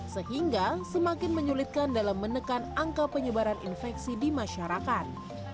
sehingga semakin menyulitkan dalam menekan angka penyebaran infeksi di masyarakat